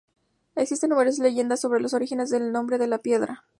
Existen numerosas leyendas sobre los orígenes del nombre de la piedra.